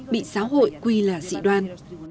bị xã hội quy là dị đoan